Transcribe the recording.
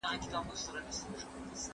زه مېلمه یم د ساقي په لاس کې جام دی